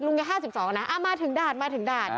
ลุงอย่าง๕๒นะมาถึงดาด